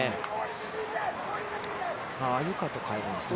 ああ、鮎川と代えるんですね。